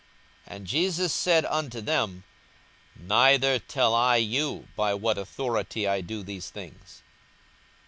42:020:008 And Jesus said unto them, Neither tell I you by what authority I do these things.